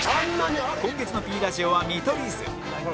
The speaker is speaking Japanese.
今月の Ｐ ラジオは見取り図